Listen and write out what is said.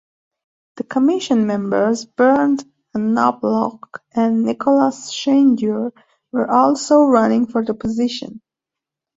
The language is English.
The commission members Bernd Knobloch and Nikolaus Schneider where also running for the position.